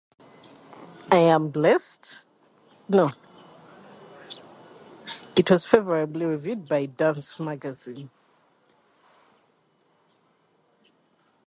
It was favorably reviewed by "Dance Magazine".